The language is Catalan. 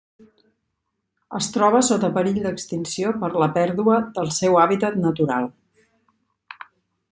Es troba sota perill d'extinció per la pèrdua del seu hàbitat natural.